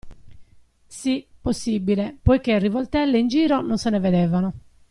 Sì, possibile, poichè rivoltelle in giro non se ne vedevano.